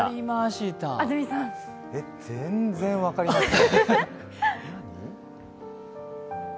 全然分かりません。